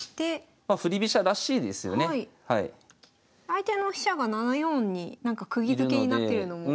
相手の飛車が７四にくぎづけになってるのも。